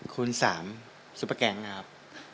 คุณสามซุปเปอร์แกงค์อะครับ